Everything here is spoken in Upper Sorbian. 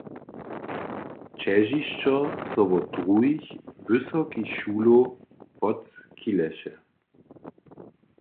Ćežišćo so wot druhich wysokich šulow wotchileše.